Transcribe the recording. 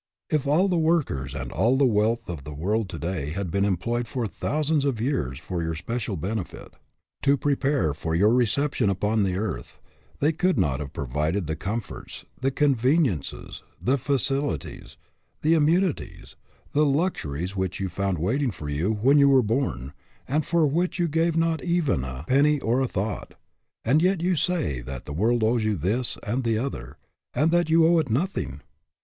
If all the workers and all the wealth of the world to day had been employed for thousands of years for your special benefit, to prepare for your reception upon the earth, they could not have provided the comforts, the conveniences, the facilities, the immunities, the luxuries which you found waiting for you when you were born, and for which you gave not even a DOES THE WORLD OWE YOU? 207 penny or a thought, and yet you say that the world owes you this and the other, and that you owe it nothing!